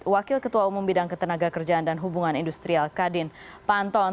wakil ketua umum bidang ketenaga kerjaan dan hubungan industrial kadin panton